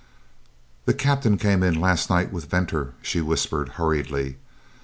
"The Captain came last night with Venter," she whispered hurriedly.